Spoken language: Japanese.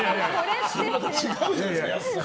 違うじゃないですか、やすさん。